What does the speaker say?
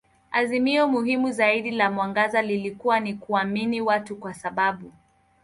Azimio muhimu zaidi la mwangaza lilikuwa ni kuamini watu kwa sababu.